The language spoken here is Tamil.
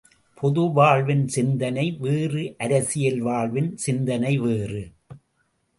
பொதுவாழ்வின் சிந்தனை வேறு அரசியல் வாழ்வின் சிந்தனை வேறு.